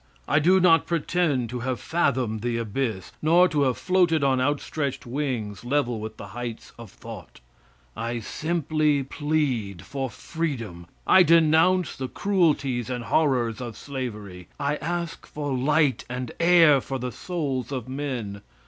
I do not pretend to have fathomed the abyss, nor to have floated on outstretched wings level with the heights of thought. I simply plead for freedom. I denounce the cruelties and horrors of slavery. I ask for light and air for the souls of men.